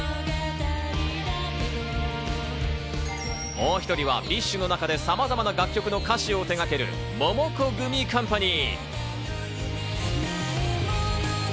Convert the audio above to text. もう１人はＢｉＳＨの中でさまざまな楽曲の歌詞を手がけるモモコグミカンパニー。